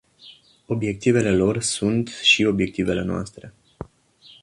Obiectivele lor sunt și obiectivele noastre.